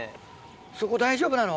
そこ大丈夫なの？